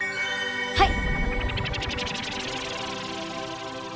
はい。